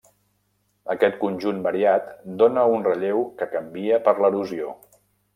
Aquest conjunt variat dóna un relleu que canvia per l'erosió.